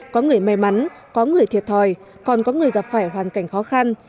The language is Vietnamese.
có người may mắn có người thiệt thòi còn có người gặp phải hoàn cảnh khó khăn